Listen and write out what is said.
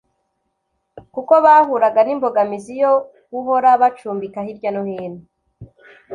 kuko bahuraga n’imbogamizi yo guhora bacumbika hirya no hino